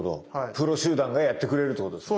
プロ集団がやってくれるってことですね。